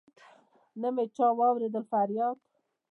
نه مي چا واوريد فرياد